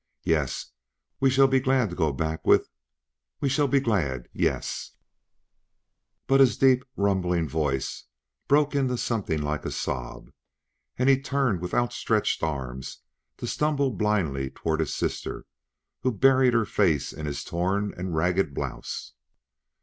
Yes, we shall be glad to go back with we shall be glad yes " But his deep, rumbling voice broke into something like a sob, and he turned with outstretched arms to stumble blindly toward his sister, who buried her face in his torn and ragged blouse.